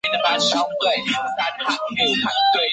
傅慰孤之母为抗日战争名人叶因绿。